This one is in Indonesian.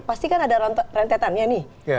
pasti kan ada rentetannya nih